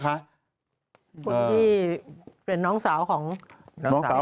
คนที่เป็นน้องสาวของมุ้งแฟนเก่า